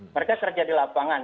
mereka kerja di lapangan